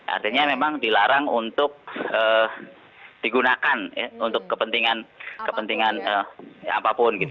artinya memang dilarang untuk digunakan untuk kepentingan apapun gitu